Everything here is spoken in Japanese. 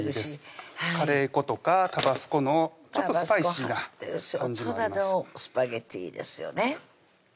カレー粉とかタバスコのちょっとスパイシーな大人のスパゲッティですよね